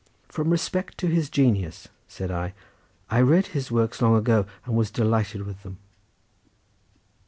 "From respect to his genius," said I; "I read his works long ago, and was delighted with them."